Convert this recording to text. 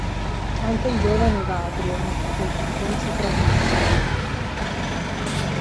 Anche il giovane Evagrio ne fu colpito ma sopravvisse.